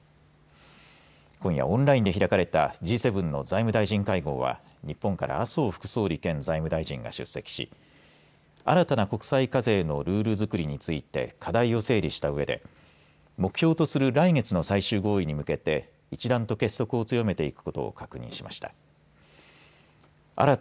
今夜、オンラインで開かれたＧ７の財務大臣会合は日本から麻生副総理兼財務大臣が出席し新たな国債課税のルールづくりについて課題を整理したうえで目標とする来月の最終合意に向けて一段と結束を強めていくことを確認しました。